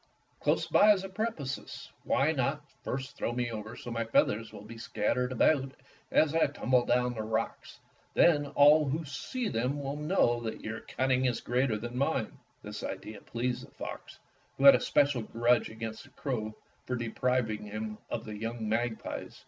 Close by is a precipice. Why not first throw me over that so my feathers will be scattered about as I tumble down the rocks Then all who see them will know that your cunning is greater than mine." This idea pleased the fox, who had a special grudge against the crow for depriving him of the young magpies.